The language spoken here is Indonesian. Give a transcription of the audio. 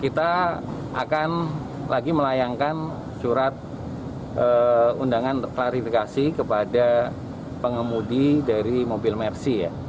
kita akan lagi melayangkan surat undangan klarifikasi kepada pengemudi dari mobil mercy ya